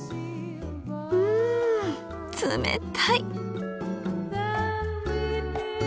うん冷たい！